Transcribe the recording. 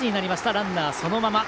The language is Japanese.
ランナーそのまま。